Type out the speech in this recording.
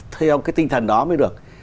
theo cái tinh thần đó mới được